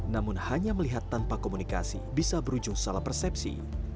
namun hanya melihat tanpa komunikasi bisa berujung salah persepsi